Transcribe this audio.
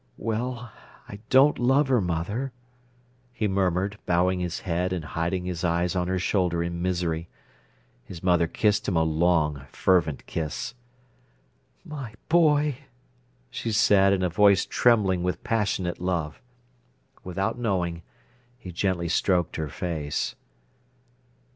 "Well, I don't love her, mother," he murmured, bowing his head and hiding his eyes on her shoulder in misery. His mother kissed him a long, fervent kiss. "My boy!" she said, in a voice trembling with passionate love. Without knowing, he gently stroked her face.